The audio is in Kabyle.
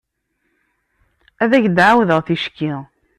Ad ak-d-ɛawdeɣ ticki.